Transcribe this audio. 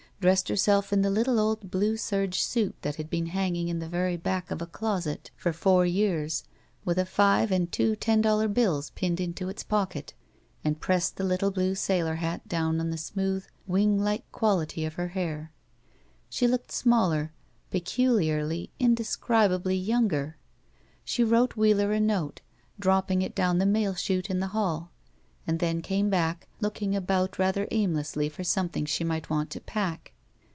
Dressed herself in the little old blue serge suit that had been hanging in the very back of a closet for fotir years, with a five and two ten dollar bills pinned 'into its pocket, and pressed the little blue sailor hat down on the smooth, winglike quality of her hair. She looked smaller, peculiarly, indescribably yoimger. She wrote Wheeler a note, dropping it down the mail chute in the hall, and then came back, looking about rather aimlessly for something she might want to pack.